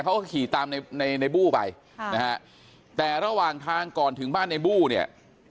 เขาก็ขี่ตามนายบู้ไปแต่ระหว่างทางก่อนถึงบ้านนายบู้เนี่ย